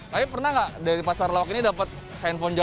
tapi pernah gak dari pasar loak ini dapet handphone jadul